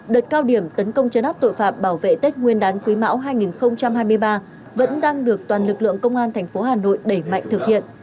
đợt cao điểm tấn công chấn áp tội phạm bảo vệ tết nguyên đán quý mão hai nghìn hai mươi ba vẫn đang được toàn lực lượng công an thành phố hà nội đẩy mạnh thực hiện